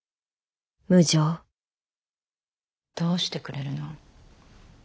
無情どうしてくれるの？